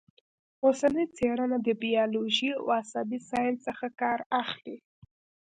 اوسنۍ څېړنه د بیولوژۍ او عصبي ساینس څخه کار اخلي